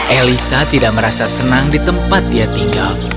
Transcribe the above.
elisa tidak merasa senang di tempat dia tinggal